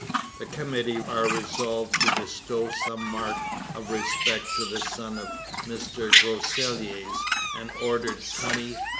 the committee are resolved to bestow some mark of respect to the son of Mr Groseilliers and order 20s.